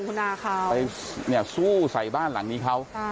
ไปสู้ใส่บ้านหลังนี้เขา